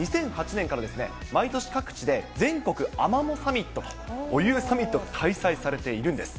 ２００８年から毎年各地で、全国アマモサミットというサミットが開催されているんです。